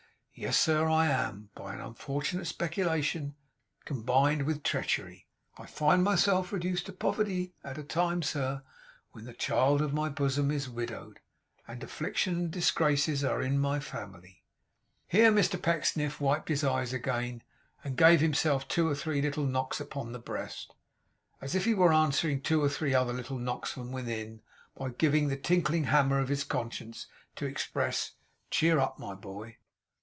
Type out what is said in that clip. Yes, sir, I am. By an unfortunate speculation, combined with treachery, I find myself reduced to poverty; at a time, sir, when the child of my bosom is widowed, and affliction and disgrace are in my family.' Here Mr Pecksniff wiped his eyes again, and gave himself two or three little knocks upon the breast, as if he were answering two or three other little knocks from within, given by the tinkling hammer of his conscience, to express 'Cheer up, my boy!